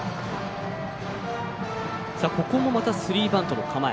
ここもスリーバントの構え。